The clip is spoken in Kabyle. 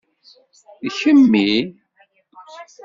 D kemmi?